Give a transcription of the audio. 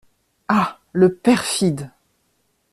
Ah le perfide!